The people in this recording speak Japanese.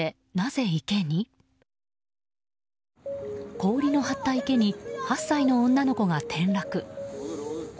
氷の張った池に８歳の女の子が転落。